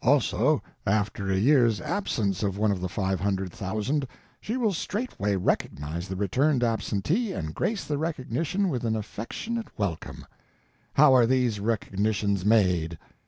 Also, after a year's absence one of the five hundred thousand she will straightway recognize the returned absentee and grace the recognition with an affectionate welcome. How are these recognitions made?